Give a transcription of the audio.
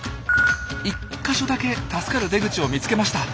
１か所だけ助かる出口を見つけました。